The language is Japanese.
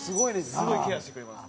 すごいケアしてくれます。